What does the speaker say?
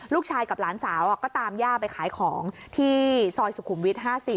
ลูกชายกับหลานสาวก็ตามย่าไปขายของที่ซอยสุขุมวิท๕๐